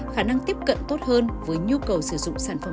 khả năng tiếp cận tốt hơn với nhu cầu sử dụng sản phẩm